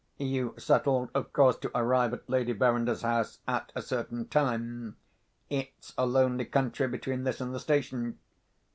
"You settled, of course, to arrive at Lady Verinder's house at a certain time? It's a lonely country between this and the station.